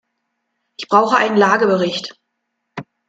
Ich brauche einen Lagebericht.